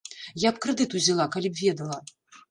Я б крэдыт узяла, калі б ведала.